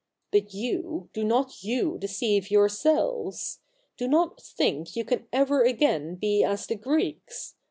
But you — do not you deceive yourselves. Do not think you can ever again be as the Greeks.